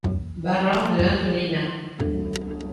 Barão de Antonina